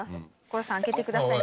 所さん開けてください。